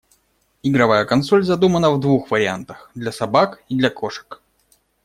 Игровая консоль задумана в двух вариантах — для собак и для кошек.